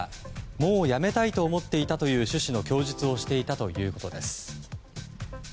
もうやめたいと思っていたという趣旨の供述をしていたということです。